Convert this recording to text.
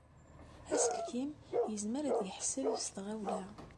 Aselkim yezmer ad yeḥseb s tɣawla.